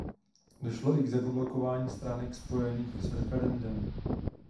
Došlo i k zablokování stránek spojených s referendem.